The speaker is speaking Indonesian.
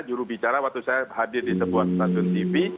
jurubicara waktu saya hadir di sebuah stasiun tv